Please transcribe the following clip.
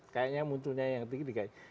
kayaknya munculnya yang tinggi di dki